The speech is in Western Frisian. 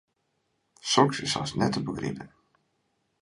Soks is hast net te begripen.